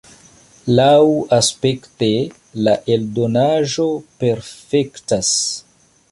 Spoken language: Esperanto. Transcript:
Laŭaspekte la eldonaĵo perfektas.